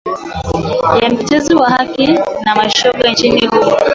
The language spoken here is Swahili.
ya mtetezi wa haki za mashoga nchini humo